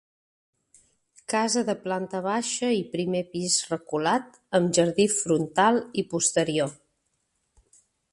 Casa de planta baixa i primer pis reculat, amb jardí frontal i posterior.